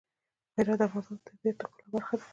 هرات د افغانستان د طبیعت د ښکلا برخه ده.